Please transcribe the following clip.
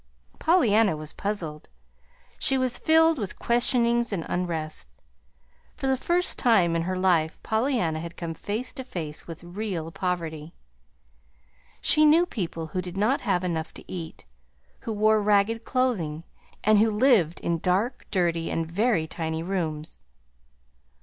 Pollyanna was puzzled. She was filled with questionings and unrest. For the first time in her life Pollyanna had come face to face with real poverty. She knew people who did not have enough to eat, who wore ragged clothing, and who lived in dark, dirty, and very tiny rooms.